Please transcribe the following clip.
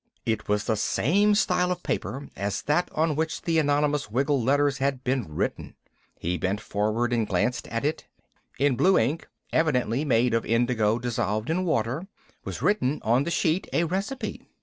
It was the same style of paper as that on which the Anonymous Wiggle letters had been written. He bent forward and glanced at it. In blue ink evidently made of indigo dissolved in water, was written on the sheet a recipe.